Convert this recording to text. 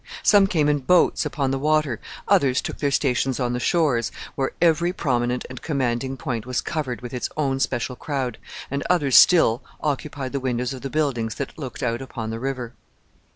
Some came in boats upon the water, others took their stations on the shores, where every prominent and commanding point was covered with its own special crowd, and others still occupied the windows of the buildings that looked out upon the river.